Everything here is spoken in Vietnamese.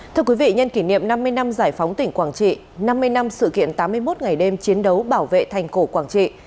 thưa quý vị nhân kỷ niệm năm mươi năm giải phóng tỉnh quảng trị năm mươi năm sự kiện tám mươi một ngày đêm chiến đấu bảo vệ thành cổ quảng trị